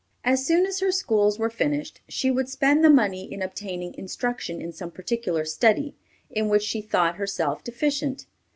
As soon as her schools were finished, she would spend the money in obtaining instruction in some particular study, in which she thought herself deficient.